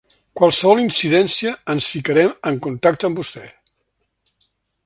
Qualsevol incidència ens ficarem en contacte amb vostè.